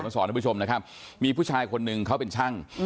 สอนทุกผู้ชมครับมีผู้ชายคนหนึ่งเขาเป็นช่าง